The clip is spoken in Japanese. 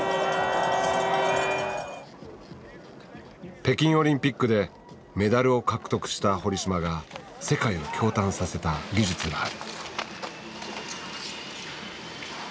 北京オリンピックでメダルを獲得した堀島が世界を驚嘆させた技術がある。